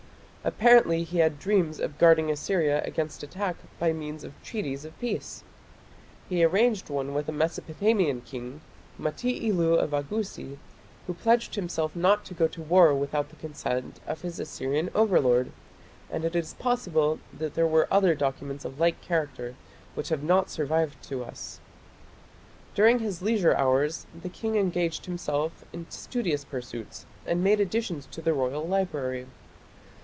Apparently he had dreams of guarding Assyria against attack by means of treaties of peace. He arranged one with a Mesopotamian king, Mati ilu of Agusi, who pledged himself not to go to war without the consent of his Assyrian overlord, and it is possible that there were other documents of like character which have not survived to us. During his leisure hours the king engaged himself in studious pursuits and made additions to the royal library.